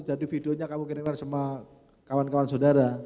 jadi videonya kamu kirimkan sama kawan kawan saudara